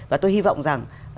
và tôi hy vọng rằng